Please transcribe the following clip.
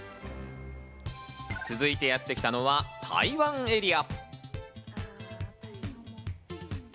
続いてやってきたのは台湾エリア。